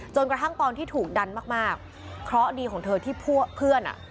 กระทั่งตอนที่ถูกดันมากมากเคราะห์ดีของเธอที่พวกเพื่อนอ่ะ